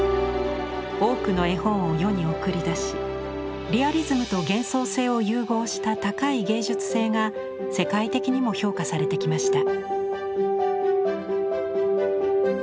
多くの絵本を世に送り出しリアリズムと幻想性を融合した高い芸術性が世界的にも評価されてきました。